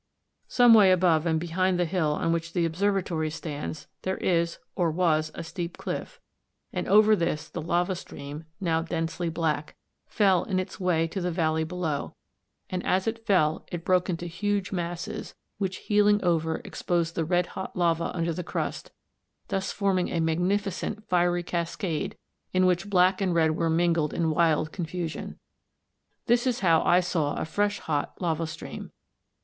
Some way above and behind the hill on which the Observatory stands there is, or was, a steep cliff, and over this the lava stream, now densely black, fell in its way to the valley below, and as it fell it broke into huge masses, which heeling over exposed the red hot lava under the crust, thus forming a magnificent fiery cascade in which black and red were mingled in wild confusion. This is how I saw a fresh red hot lava stream.